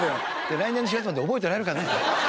来年の４月まで覚えてられるかな？